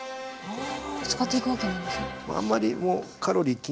使っていくわけですね。